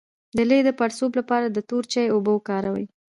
د لۍ د پړسوب لپاره د تور چای اوبه وکاروئ